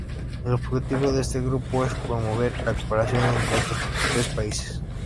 El objetivo de este grupo es promover la cooperación entre estos tres países.